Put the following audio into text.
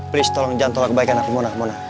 please tolong jangan tolak kebaikan aku mona